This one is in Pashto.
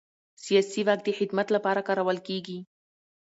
سیاسي واک د خدمت لپاره کارول کېږي